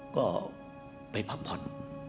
ก็ไปพักผ่อน